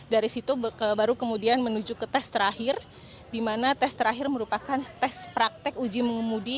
dari situ baru kemudian menuju ke tes terakhir di mana tes terakhir merupakan tes praktek uji mengemudi